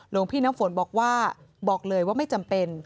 หลวงพี่น้ำฝนบอกว่าบอกเลยว่าไม่จำเป็น